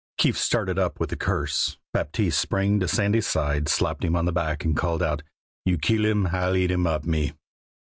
Keefe started up with a curse. Baptiste sprang to Sandy's side, slapped him on the back, and called out: "You keel him, I'll hit [eat] him up, me."